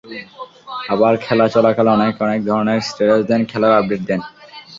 আবার খেলা চলাকালে অনেকে অনেক ধরনের স্ট্যাটাস দেন, খেলার আপডেট দেন।